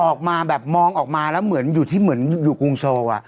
ออกมาแบบมองออกมาแล้วเหมือนอยู่ที่เหมือนอยู่กรุงโซล